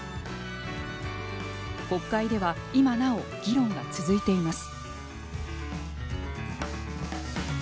国会では今なお議論が続いています。